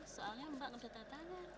soalnya mbak ngedetet tangan